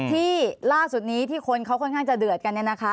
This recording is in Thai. ที่ล่าสุดนี้ที่คนเขาค่อนข้างจะเดือดกันเนี่ยนะคะ